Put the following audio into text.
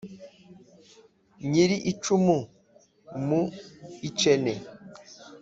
nyiri icumu mu icene.